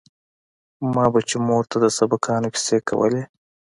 ما به چې مور ته د سبقانو کيسې کولې.